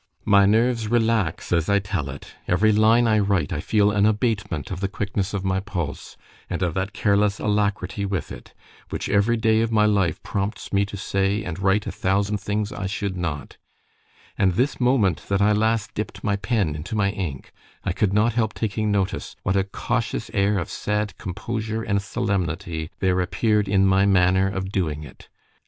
——My nerves relax as I tell it.——Every line I write, I feel an abatement of the quickness of my pulse, and of that careless alacrity with it, which every day of my life prompts me to say and write a thousand things I should not——And this moment that I last dipp'd my pen into my ink, I could not help taking notice what a cautious air of sad composure and solemnity there appear'd in my manner of doing it.